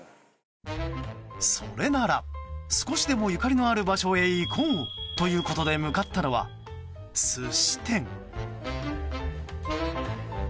それなら少しでもゆかりのある場所へ行こうということで向かったのは寿司店。